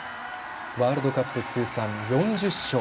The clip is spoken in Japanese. ワールドカップ通算４０勝。